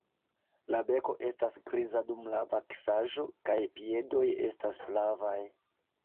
La beko estas griza dum la vaksaĵo kaj piedoj estas flavaj.